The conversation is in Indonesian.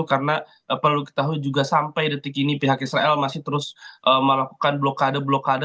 karena perlu ketahui juga sampai detik ini pihak israel masih terus melakukan blokade blokade